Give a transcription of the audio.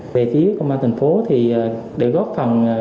về phía công an thành phố thì để góp phần áp chế những thông tin này